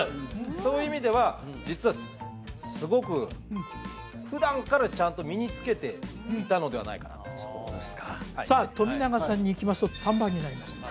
そういう意味では実はすごく普段からちゃんと身に着けていたのではないかなとそうですかはいさあ冨永さんにいきますと３番になりました